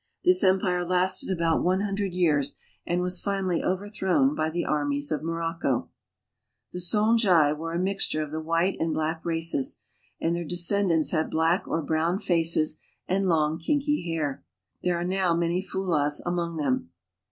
This empire lasted about one hundred years and was finally overthrown Kby the armies of Morocco. The Songhay were a mixture of the white and black races; and their descendants have black or brown faces and long kinky hair. There are now many Fulahs among them.